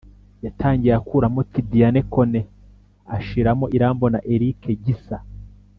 yatangiye akuramo Tidiane Kone ashiramo Irambona Eric Gisa